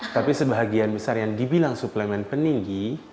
tapi sebagian besar yang dibilang suplemen peninggi